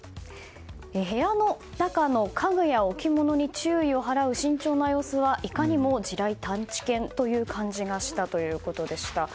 部屋の中の家具や置物に注意を払う慎重な様子はいかにも地雷探知犬という感じがしたということでした。